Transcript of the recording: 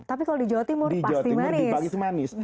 tapi kalau di jawa timur pasti manis